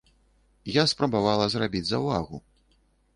Я спрабавала зрабіць заўвагу.